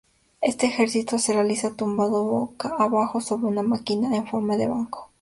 Este ejercicio se realiza tumbado boca abajo sobre una máquina en forma de banco.